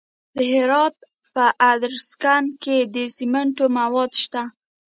د هرات په ادرسکن کې د سمنټو مواد شته.